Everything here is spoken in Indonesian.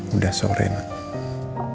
udah sore nak